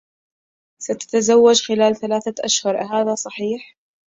ستتزوج خلال ثلاثة أشهر، أهذا صحيح؟